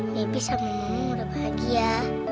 baby sama kamu udah bahagia